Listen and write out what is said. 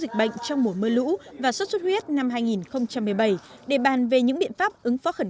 dịch bệnh trong mùa mưa lũ và xuất xuất huyết năm hai nghìn một mươi bảy để bàn về những biện pháp ứng phó khẩn